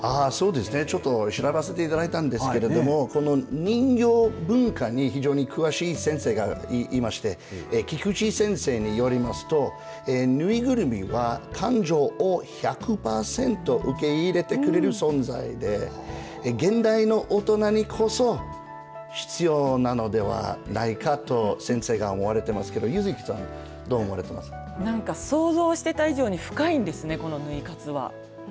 そうですね、調べさせていただいたんですけれどもこの人形文化に非常に詳しい先生がいまして菊地先生によりますと縫いぐるみは感情を１００パーセント受け入れてくれる存在で現代の大人にこそ必要なのではないかと先生が思われていますけど柚希さん想像していた以上に深いんですね、このぬい活は。